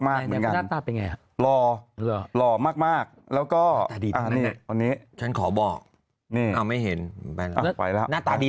หน้าตาแก่รอเร็วเหล่ามากแล้วก็อ่านแบบนี้แบบนี้ขอบอกไม่เห็นหน้าตาดี